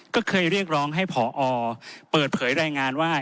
ก็เคยเรียกร้องให้ผอเปิดเผยรายงานว่า